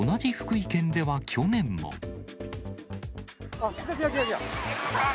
あっ、来た来た来た。